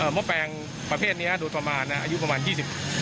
ห้อแปลงประเภทนี้โดยประมาณนะอายุประมาณ๒๐